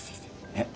えっ？